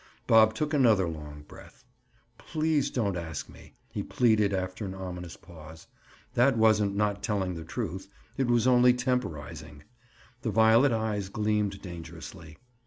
Bob took another long breath. "Please don't ask me," he pleaded after an ominous pause. That wasn't not telling the truth; it was only temporizing. The violet eyes gleamed dangerously.